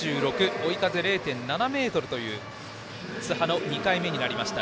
追い風０．７メートルという津波の２回目でした。